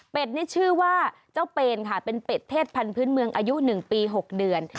เป็นชื่อว่าเจ้าเปนค่ะเป็นเป็ดเทศพันธุ์เมืองอายุ๑ปี๖เดือน